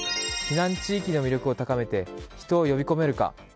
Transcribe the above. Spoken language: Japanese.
避難地域の魅力を高めて人を呼び込めるか。